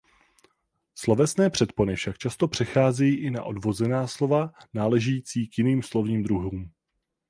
Slovesné předpony však často přecházejí i na odvozená slova náležející k jiným slovním druhům.